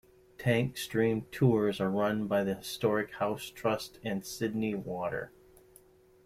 Tank Stream tours are run by the Historic Houses Trust and Sydney Water.